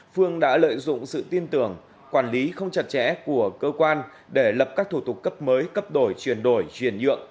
phương đã lợi dụng sự tin tưởng quản lý không chặt chẽ của cơ quan để lập các thủ tục cấp mới cấp đổi chuyển đổi chuyển nhượng